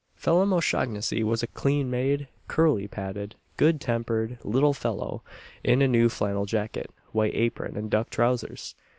Phelim O'Shaughnessy was a clean made, curly pated, good tempered little fellow, in a new flannel jacket, white apron, and duck trousers.